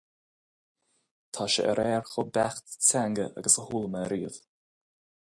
Tá sé ar fhear chomh beacht teanga agus a chuala mé riamh.